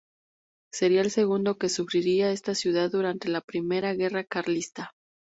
Sería el segundo que sufriría esta ciudad durante la primera guerra carlista.